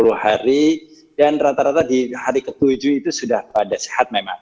sepuluh hari dan rata rata di hari ke tujuh itu sudah pada sehat memang